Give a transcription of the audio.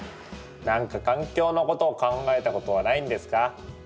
何か環境のことを考えたことはないんですか？